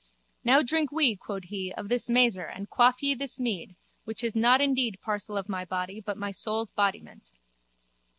Now drink we, quod he, of this mazer and quaff ye this mead which is not indeed parcel of my body but my soul's bodiment.